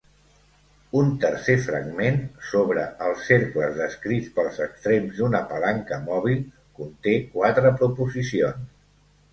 Un tercer fragment, sobre els cercles descrits pels extrems d'una palanca mòbil, conté quatre proposicions.